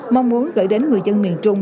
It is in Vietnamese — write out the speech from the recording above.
mong muốn gửi đến người dân miền trung